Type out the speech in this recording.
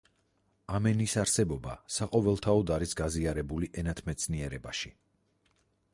ამ ენის არსებობა საყოველთაოდ არის გაზიარებული ენათმეცნიერებაში.